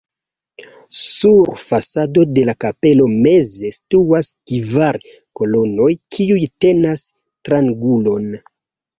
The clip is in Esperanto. Sur fasado de la kapelo meze situas kvar kolonoj, kiuj tenas triangulon.